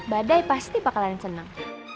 badai pasti bakalan seneng